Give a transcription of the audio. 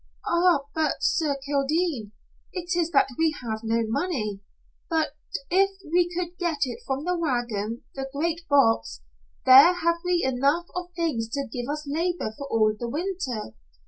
"Ah, but, Sir Kildene, it is that we have no money. If but we could get from the wagon the great box, there have we enough of things to give us labor for all the winter.